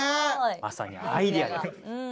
まさにアイデア。